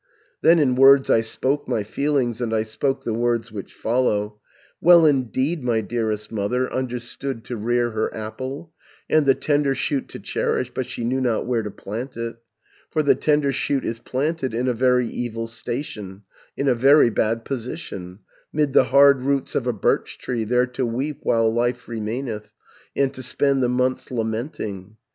"Then in words I spoke my feelings, And I spoke the words which follow: 'Well indeed my dearest mother Understood to rear her apple, 660 And the tender shoot to cherish, But she knew not where to plant it, For the tender shoot is planted In a very evil station, In a very bad position, 'Mid the hard roots of a birch tree, There to weep while life remaineth, And to spend the months lamenting.